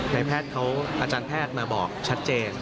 แพทย์เขาอาจารย์แพทย์มาบอกชัดเจน